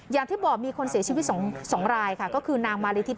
อย่างที่บอกมีคนเสียชีวิต๒รายค่ะก็คือนางมาริทิพ